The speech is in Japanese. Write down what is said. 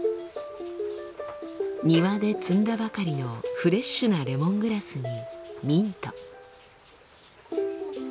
庭で摘んだばかりのフレッシュなレモングラスにミント。